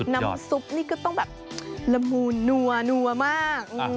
น้ำซุปนี่ก็ต้องแบบละมูลนัวมาก